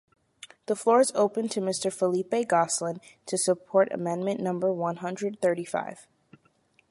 The floor is open to Mr Philippe Gosselin to support amendment number one hundred thirty-five.